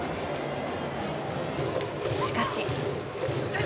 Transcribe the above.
しかし。